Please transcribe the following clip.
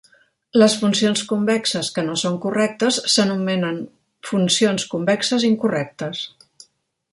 Les funcions convexes que no són correctes s'anomenen "funcions convexes incorrectes".